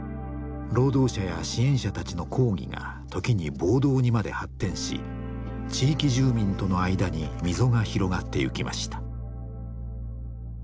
労働者や支援者たちの抗議が時に暴動にまで発展し地域住民との間に溝が広がっていきました。